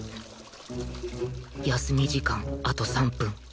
休み時間あと３分